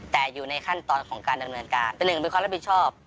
แต่อยู่ในขั้นตอนของการดำเนินการเป็นหนึ่งเป็นความรับผิดชอบ